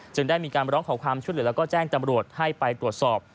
ได้มีการร้องขอความช่วยเหลือแล้วก็แจ้งจำรวจให้ไปตรวจสอบ